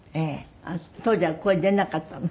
当時は声出なかったの？